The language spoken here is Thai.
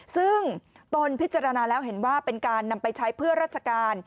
ซึ่งตนพิจารณาแล้วเห็นว่าเป็นการนำไปใช้เพื่อราชการ